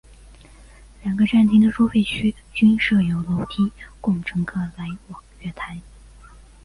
两个站厅的收费区均设有楼梯供乘客来往月台。